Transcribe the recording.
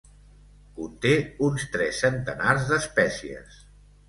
Conté uns tres centenars d'espècies.